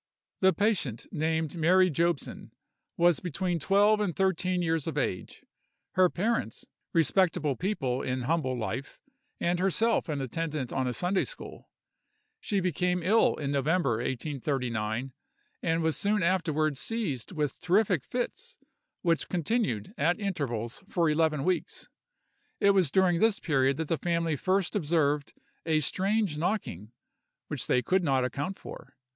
The patient, named Mary Jobson, was between twelve and thirteen years of age; her parents, respectable people in humble life, and herself an attendant on a Sunday school. She became ill in November, 1839, and was soon afterward seized with terrific fits, which continued, at intervals, for eleven weeks. It was during this period that the family first observed a strange knocking, which they could not account for.